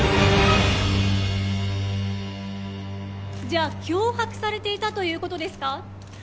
じゃあ脅迫されていたということですか？